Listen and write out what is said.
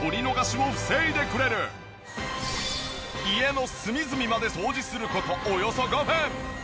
家の隅々まで掃除する事およそ５分。